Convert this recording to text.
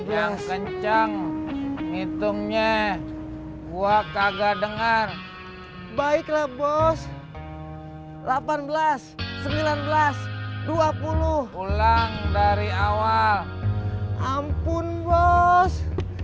lima belas enam belas tujuh belas yang kencang hitungnya gua kagak dengar baiklah bos delapan belas sembilan belas dua puluh pulang dari awal ampun bos